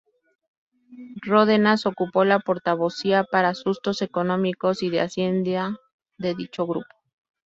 Ródenas ocupó la portavocía para asuntos económicos y de Hacienda de dicho grupo.